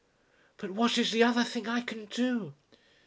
"But what is the other thing I can do?"